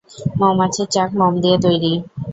মৌমাছির চাক মোম দিয়ে তৈরী।